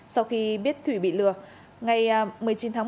sau khi biết thủy bị lừa ngày một mươi chín tháng một